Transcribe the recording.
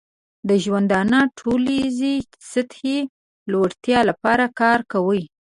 د ژوندانه ټولنیزې سطحې لوړتیا لپاره کار کوي.